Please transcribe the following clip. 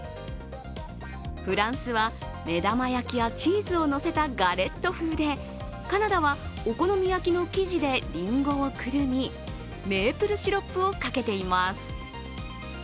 フランスは目玉焼きやチーズをのせたガレット風でカナダはお好み焼きの生地でりんごをくるみ、メープルシロップをかけています。